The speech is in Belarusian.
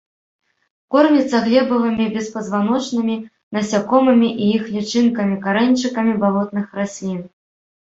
Корміцца глебавымі беспазваночнымі, насякомымі і іх лічынкамі, карэньчыкамі балотных раслін.